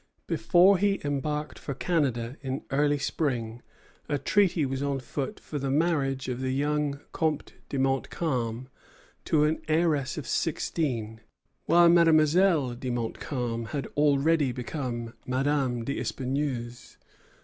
Before he embarked for Canada, in early spring, a treaty was on foot for the marriage of the young Comte de Montcalm to an heiress of sixteen; while Mademoiselle de Montcalm had already become Madame d'Espineuse.